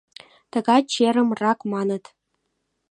Тыгай черым рак маныт.